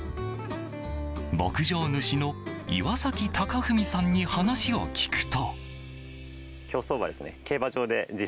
牧場主の岩崎崇文さんに話を聞くと。